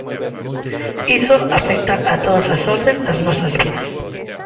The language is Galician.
Iso afecta a todas as ordes das nosas vidas.